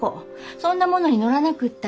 そんなものに乗らなくったって。